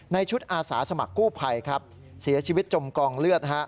ชุดอาสาสมัครกู้ภัยครับเสียชีวิตจมกองเลือด